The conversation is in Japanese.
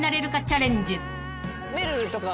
めるるとか。